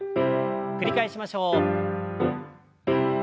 繰り返しましょう。